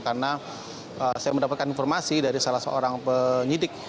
karena saya mendapatkan informasi dari salah seorang penyidik